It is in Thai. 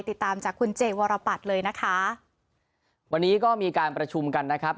ติดตามจากคุณเจวรปัตย์เลยนะคะวันนี้ก็มีการประชุมกันนะครับ